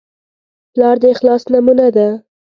پلار د اخلاص نمونه ده.